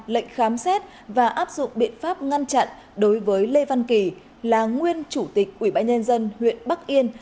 lệnh khám xét và áp dụng biện pháp ngăn chặn đối với lê văn kỳ là nguyên chủ tịch ủy ban nhân dân huyện bắc yên